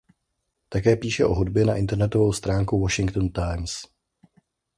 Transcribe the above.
Také píše o hudbě na internetovou stránku "Washington Times".